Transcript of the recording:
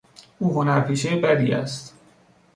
او هنرپیشهی بدی است.